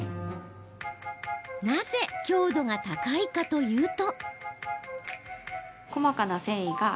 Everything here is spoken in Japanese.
なぜ強度が高いかというと。